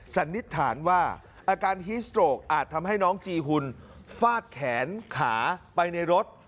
สันนิษฐานว่าอาการฮีสโตรกอาจทำให้น้องจีหุ่นฟาดแขนขาไปในรถ